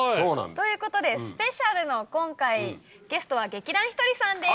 ということでスペシャルの今回ゲストは劇団ひとりさんです。